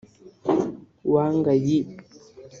Wang Yi